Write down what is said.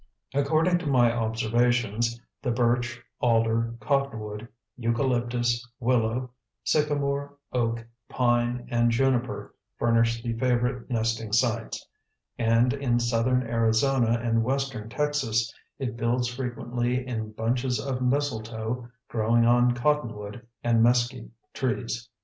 According to my observations, the birch, alder, cottonwood, eucalyptus, willow, sycamore, oak, pine and juniper furnish the favorite nesting sites; and in Southern Arizona and Western Texas it builds frequently in bunches of mistletoe growing on cottonwood and mesquite trees.